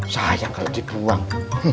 sayang kalau dibuang